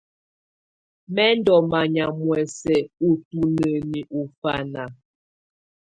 Mɛ̀ ndɔ̀ manyà muɛ̀sɛ̀ ù tunǝni ɔ ɔfana.